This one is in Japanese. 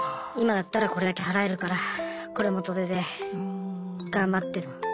今だったらこれだけ払えるからこれ元手で頑張ってと。